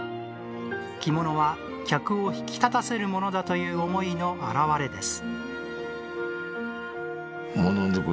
着物は客を引き立たせるものだという思いの表れです。